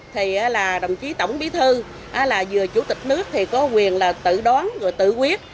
thì là đồng chí tổng bí thư là vừa chủ tịch nước thì có quyền là tự đoán rồi tự quyết